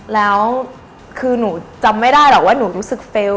แล้วคือหนูจำไม่ได้หรอกว่าหนูรู้สึกเฟลล์